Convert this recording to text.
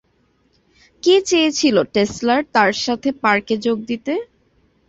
কে চেয়েছিল টেসলার তাঁর সাথে পার্কে যোগ দিতে।